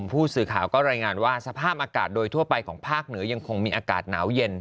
ผู้สื่อข่าวก็รายงานว่าสภาพอากาศโดยทั่วไปของภาคเหนือยังคงมีอากาศหนาวเย็น